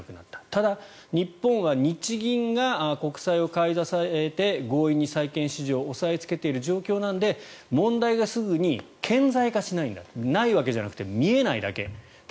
ただ、日本は日銀が国債を買い支えて強引に債券市場を押さえつけている状況なので問題がすぐに顕在化しないんだないわけじゃなくて見えないだけ。